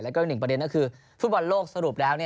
และก็ยังมีประเด็นก็คือฟุตบอลโลกสรุปแล้ว